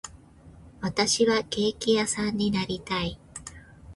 私はケーキ屋さんになりたい